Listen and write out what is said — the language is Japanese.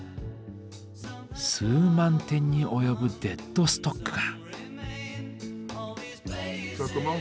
数万点に及ぶデッドストックが。